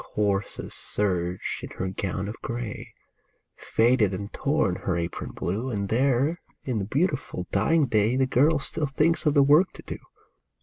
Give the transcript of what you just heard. Coarsest serge is her gown of gray, Faded and torn her apron blue, And there in the beautiful, dying day The girl still thinks of the work to do.